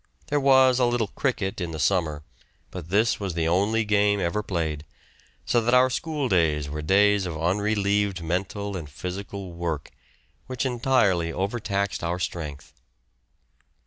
There was a little cricket in the summer, but this was the only game ever played, so that our school days were days of unrelieved mental and physical work, which entirely overtaxed our strength.